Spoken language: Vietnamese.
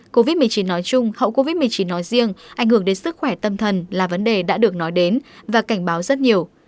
covid một mươi chín nói chung hậu covid một mươi chín nói riêng ảnh hưởng đến sức khỏe tâm thần là vấn đề đã được nói đến và cảnh báo rất nhiều